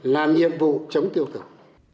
làm nhiệm vụ chống tiêu cực